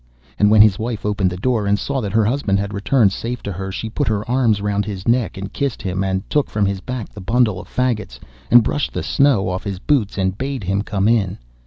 And when his wife opened the door and saw that her husband had returned safe to her, she put her arms round his neck and kissed him, and took from his back the bundle of faggots, and brushed the snow off his boots, and bade him come in.